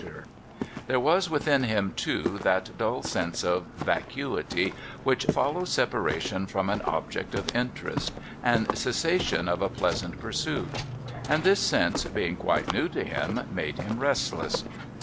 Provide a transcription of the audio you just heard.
A MEMORABLE WALK 43^ There was within him, too, that dull sense of vacuity which follows separation from an object of interest, and cessation of a pleasant pursuit ; and this sense, being quite nev/ to him, made him restless.